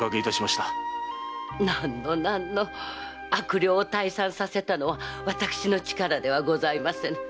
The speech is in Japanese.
何の何の悪霊を退散させたのは私の力ではございませぬ。